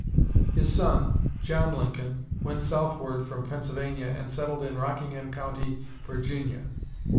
His son, John Lincoln, went southward from Pennsylvania and settled in Rockingham County, Virginia.